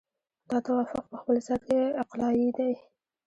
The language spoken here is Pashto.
دا توافق په خپل ذات کې عقلایي دی.